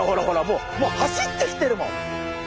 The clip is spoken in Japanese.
もうもう走ってきてるもん！